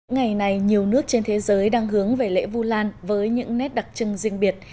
ngày này nhiều nước trên thế giới đang hướng về lễ vu lan với những nét đặc trưng riêng biệt